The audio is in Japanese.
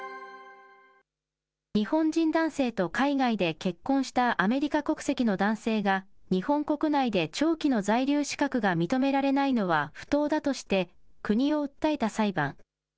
日本人男性と海外で結婚したアメリカ国籍の男性が、日本国内で長期の在留資格が認められないのは不当だとして、国を訴えた裁判。